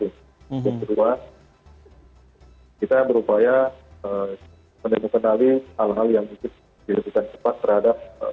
yang kedua kita berupaya menemukan hal hal yang bisa dikembangkan cepat terhadap penyelidikan